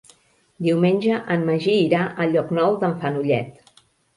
Diumenge en Magí irà a Llocnou d'en Fenollet.